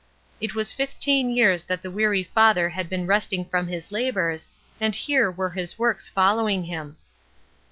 It was fifteen years that the weary father had been resting from his labors, and here were his works following him.